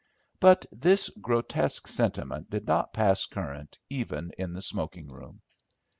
But this grotesque sentiment did not pass current even in the smoking room.